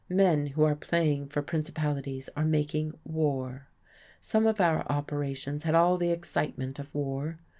Men who are playing for principalities are making war. Some of our operations had all the excitement of war.